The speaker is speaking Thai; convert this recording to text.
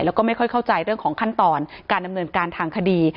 แล้วก็ไม่ค่อยเข้าใจเรื่องของขั้นตอนการดำเนินการทางคดี